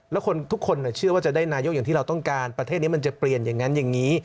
แล้วคนทุกคนเชื่อว่าจะได้นายกอย่างที่เราต้องการประเทศนี้มันจะเปลี่ยนอย่างนั้นอย่างนี้